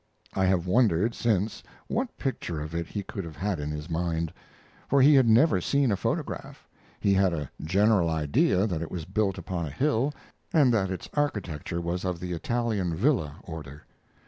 I have wondered since what picture of it he could have had in his mind, for he had never seen a photograph. He had a general idea that it was built upon a hill, and that its architecture was of the Italian villa order.